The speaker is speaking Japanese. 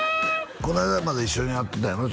この間まで一緒にやってたよな？